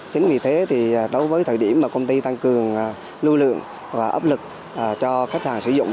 chính vì thế đối với thời điểm công ty tăng cường lưu lượng và ấp lực cho khách hàng sử dụng